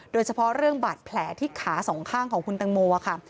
โดยเฉพาะเรื่องบาดแผลที่ขาสองข้างของคุณตังโมค่ะ